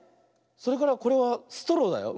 それからこれはストローだよ。